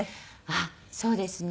あっそうですね。